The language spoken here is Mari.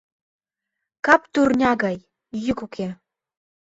— Кап турня гай, йӱк уке.